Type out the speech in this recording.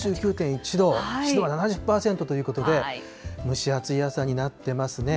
１度、湿度は７０％ということで、蒸し暑い朝になっていますね。